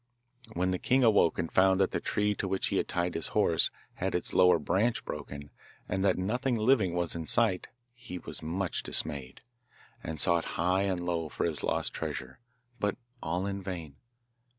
When the king awoke and found that the tree to which he had tied his horse had its lowest branch broken, and that nothing living was in sight, he was much dismayed, and sought high and low for his lost treasure, but all in vain.